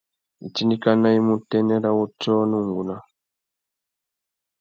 Itindikana i mú utênê râ wutiō na ungúná.